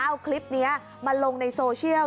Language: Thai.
เอาคลิปนี้มาลงในโซเชียล